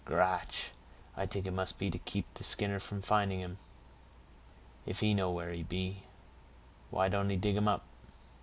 "Grach!—I t'ink it must be to keep t'e Skinner from findin' him; if he know where he be, why don't he dig him up?"